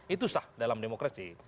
itu sah dalam demokrasi